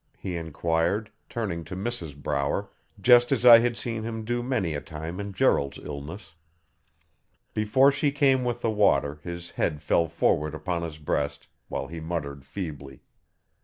he enquired, turning to Mrs Brower, just as I had seen him do many a time in Gerald's illness. Before she came with the water his head fell forward upon his breast, while he muttered feebly.